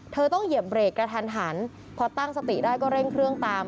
เธอต้องเหยียบเบรกกระทันหันพอตั้งสติได้ก็เร่งเครื่องตาม